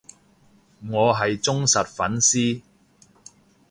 我係忠實粉絲